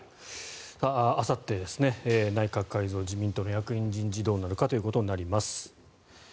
あさって内閣改造、自民党の役員人事どうなるかということになります。